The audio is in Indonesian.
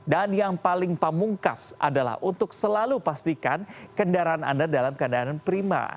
dan yang paling pamungkas adalah untuk selalu pastikan kendaraan anda dalam keadaan prima